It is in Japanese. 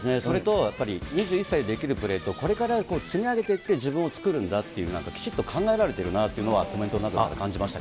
それとやっぱり２１歳でできるプレーとこれから積み上げていって自分を作るんだっていう、きちんと考えられるなっていうのがコメそうか。